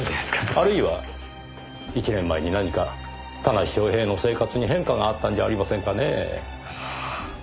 あるいは１年前に何か田無昌平の生活に変化があったんじゃありませんかねぇ？